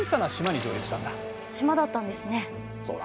そうだ。